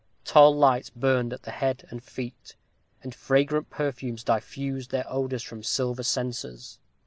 Tall lights burned at the head and feet, and fragrant perfumes diffused their odors from silver censers.